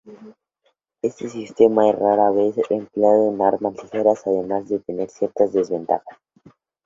Este sistema es rara vez empleado en armas ligeras, además de tener ciertas desventajas.